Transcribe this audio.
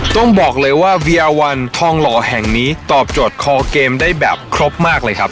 ต้องบอกเลยว่าเวียวันทองหล่อแห่งนี้ตอบโจทย์คอเกมได้แบบครบมากเลยครับ